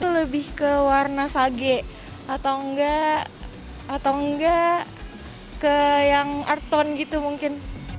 lebih ke warna sage atau enggak ke yang art tone gitu mungkin